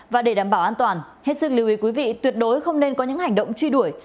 và để đảm bảo an toàn hết sức lưu ý quý vị tuyệt đối không nên có những hành động truy đuổi